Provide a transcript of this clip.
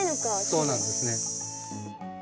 そうなんですね。